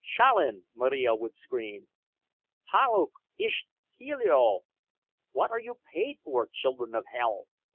"Szalin!" Marija would scream. "Palauk! isz kelio! What are you paid for, children of hell?"